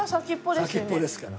先っぽですから。